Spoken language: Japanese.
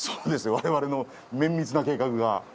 我々の綿密な計画が。